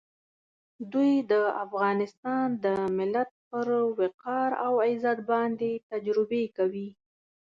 دوی د افغانستان د ملت پر وقار او عزت باندې تجربې کوي.